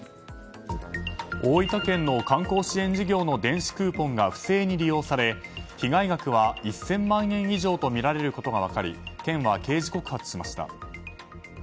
大分県の観光支援事業の電子クーポンが不正に利用され被害額は１０００万円以上とみられることが分かり県は刑事告発しました。